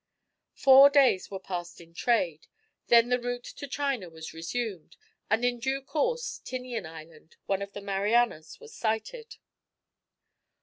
Four days were passed in trade, then the route to China was resumed, and in due course Tinian Island, one of the Mariannas, was sighted.